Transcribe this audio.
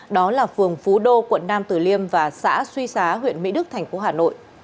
đó là phường phú đô quận nam tử liêm và xã suy xá huyện mỹ đức thành phố hà nội